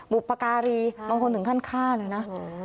บุปการีบางคนถึงขั้นฆ่าเลยนะ